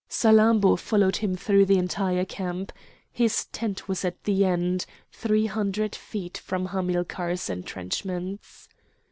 Salammbô followed him through the entire camp. His tent was at the end, three hundred feet from Hamilcar's entrenchments.